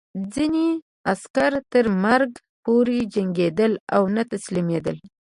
ځینې عسکر تر مرګ پورې جنګېدل او نه تسلیمېدل